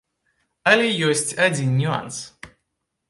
Але ёсць адзін нюанс.